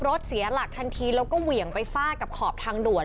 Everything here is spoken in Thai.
เสียหลักทันทีแล้วก็เหวี่ยงไปฟาดกับขอบทางด่วน